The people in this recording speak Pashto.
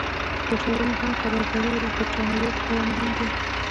ډاکترانو هم خبرداری راکړ چې عمليات خورا مهم دی.